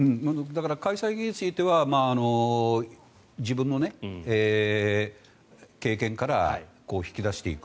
開催意義については自分の経験から引き出していく。